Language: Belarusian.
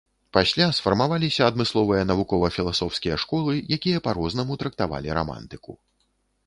Пасля сфармаваліся адмысловыя навукова-філасофскія школы, якія па-рознаму трактавалі рамантыку.